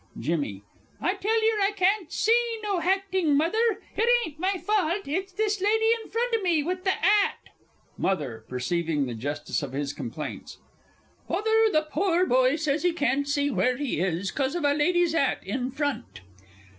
JIMMY. I tell yer I can't see no hactin', Mother. It ain't my fault it's this lady in front o' me, with the 'at. MOTHER (perceiving the justice of his complaints). Father, the pore boy says he can't see where he is, 'cause of a lady's 'at in front.